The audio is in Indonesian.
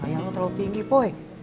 ayah lu terlalu tinggi poi